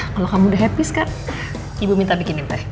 kalau kamu udah happy sekarang ibu minta bikinin teh